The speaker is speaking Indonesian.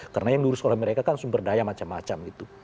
karena yang diurus oleh mereka kan sumber daya macam macam